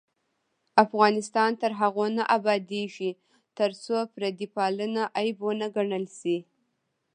افغانستان تر هغو نه ابادیږي، ترڅو پردی پالنه عیب ونه ګڼل شي.